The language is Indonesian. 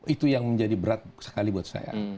itu yang menjadi berat sekali buat saya